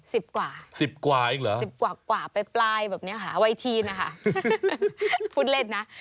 สิบกว่าสิบกว่าไปปลายแบบนี้หาวัยทีนะคะพูดเล่นนะ